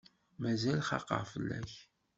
Mazal xaqeɣ fell-ak.